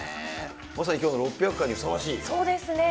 まさにきょうの６００回にふさわしい。